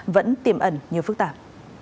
vẫn tiềm ẩn như phức tạp